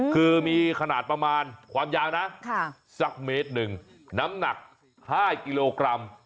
คือมีขนาดประมาณความยาวนะสักเมตรหนึ่งน้ำหนัก๕กิโลกรัม